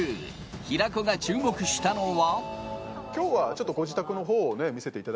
平子が注目したのは。